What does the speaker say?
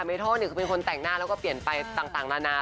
เมโทคือเป็นคนแต่งหน้าแล้วก็เปลี่ยนไปต่างนานา